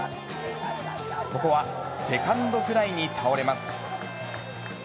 ここはセカンドフライに倒れます。